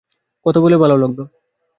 কথা বলে ভালো লাগল।